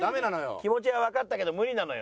気持ちはわかったけど無理なのよ。